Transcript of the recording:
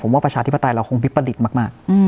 ว่าประชาธิปไตยเราคงวิปริตมาก